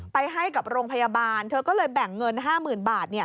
ไปให้กับโรงพยาบาลเธอก็เลยแบ่งเงิน๕๐๐๐บาท